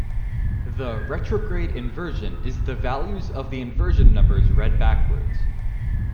The "retrograde inversion" is the values of the inversion numbers read backwards.